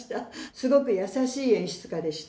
すごく優しい演出家でした。